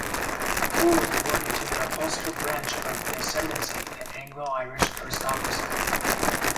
Cole was born into the Ulster branch of 'the Ascendancy', the Anglo-Irish aristocracy.